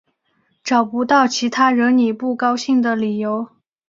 找不到其他惹你不高兴的理由